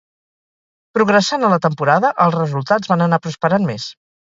Progressant a la temporada, els resultats van anar prosperant més.